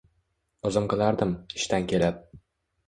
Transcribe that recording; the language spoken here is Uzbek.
O`zim qilardim, ishdan kelib